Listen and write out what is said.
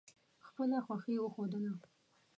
خپله خوښي وښودله.